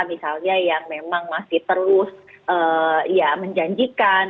misalnya yang memang masih terus ya menjanjikan